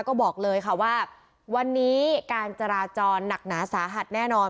ก็บอกเลยค่ะว่าวันนี้การจราจรหนักหนาสาหัสแน่นอน